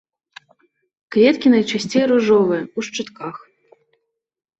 Кветкі найчасцей ружовыя, у шчытках.